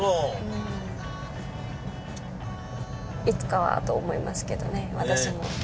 いつかはと思いますけどね私も。